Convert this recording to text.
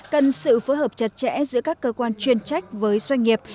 cần sự phối hợp chặt chẽ giữa các cơ quan chuyên trách với doanh nghiệp